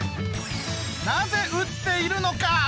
なぜ売っているのか？